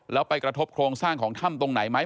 แล้วไปกระทบโครงสร้างของถ้ำตรงไหนไหม